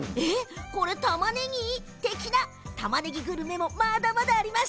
これたまねぎ？的なたまねぎグルメもまだまだあります。